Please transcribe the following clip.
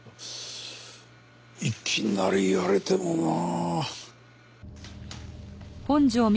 いきなり言われてもなあ。